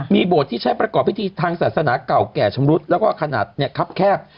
มีโบสถ์ที่ใช้ประกอบพิธีทางศาสนาเก่าแก่ชำรุดแล้วก็ขนาดคับแคบ